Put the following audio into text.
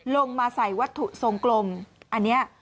ลงมาใส่วัตถุทรงกลมอันนี้